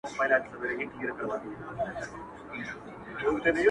ړانده وګړي د دلبرو قدر څه پیژني،